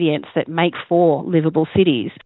yang membuat kota kota yang bisa hidup